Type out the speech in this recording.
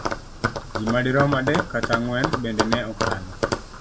Ji madirom adek kata ang'wen bende ne okalo.